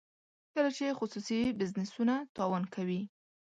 کله چې خصوصي بزنسونه تاوان کوي.